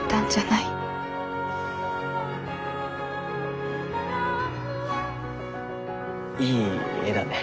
いい絵だね。